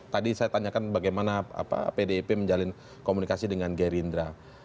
tadi saya tanyakan bagaimana pdib menjalin komunikasi dengan geri indra